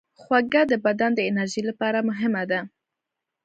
خوږه د بدن د انرژۍ لپاره مهمه ده.